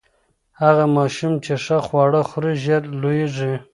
هغه ماشوم چې ښه خواړه خوري، ژر لوییږي.